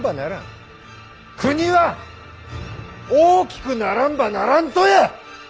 国は大きくならんばならんとや。